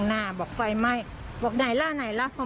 แล้วตอนที่ไฟมันไหม้ออกมาแล้วคือ